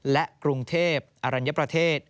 และกรุงเทพอรัญญประเทศ